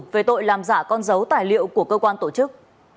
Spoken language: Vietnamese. về tội làm giả con dấu tài liệu của cơ quan tổ chức